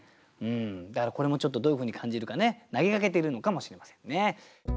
だからこれもちょっとどういうふうに感じるかね投げかけているのかもしれませんね。